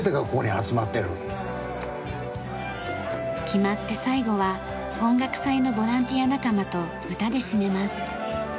決まって最後は音楽祭のボランティア仲間と歌で締めます。